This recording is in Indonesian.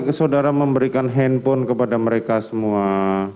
bagaimana saudara memberikan handphone kepada mereka semua